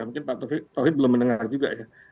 mungkin pak tauhid belum mendengar juga ya